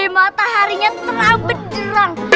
mataharinya terang berderang